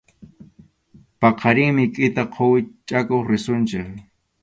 Paqarinmi kʼita quwi chakuq risunchik.